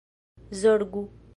zorgu